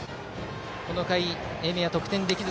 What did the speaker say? この回、英明は得点できず。